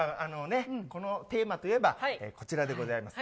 このテーマといえば、こちらでございます。